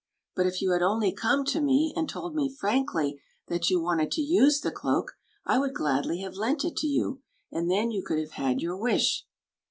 " But if you had only come to me and told me frankly that you wanted to use the cloak, I would gladly have lent it to you, and then you could have had your wish.".